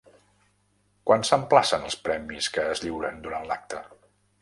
Quan s'emplacen els premis que es lliuren durant l'acte?